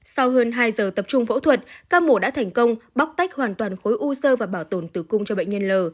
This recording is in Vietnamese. sau hơn hai giờ tập trung phẫu thuật ca mổ đã thành công bóc tách hoàn toàn khối u sơ và bảo tồn tử cung cho bệnh nhân l